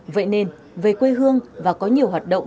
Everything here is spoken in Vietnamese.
vậy nên về quê hương và có nhiều hoạt động